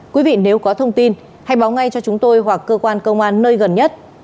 quý vị nếu có thông tin hãy báo ngay cho chúng tôi hoặc cơ quan công an nơi gần nhất